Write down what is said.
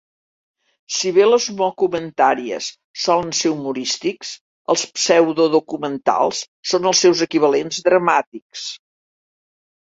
Si bé les "mockumentaries" solen ser humorístics, els pseudodocumentals són els seus equivalents dramàtics.